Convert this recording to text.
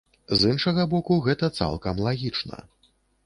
З іншага боку, гэта цалкам лагічна.